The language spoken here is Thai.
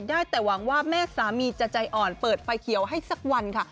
ได้แต่หวังว่าแม่สามีจะใจอ่อนเปิดไฟเขียวให้สักวันค่ะ